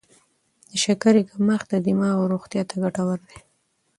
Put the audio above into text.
د شکرې کمښت د دماغ روغتیا ته ګټور دی.